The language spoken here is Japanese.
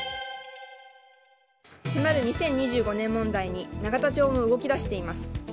迫る２０２５年問題に永田町も動き出しています。